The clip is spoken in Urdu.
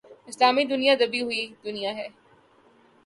اسلامی دنیا دبی ہوئی دنیا ہے۔